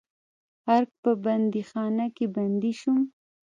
ارګ په بندیخانه کې بندي شوم.